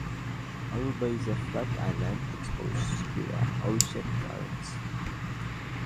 Aruba is a flat island, exposed to the ocean currents.